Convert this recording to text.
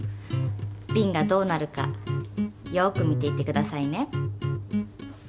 ビンがどうなるかよく見ていてくださいね。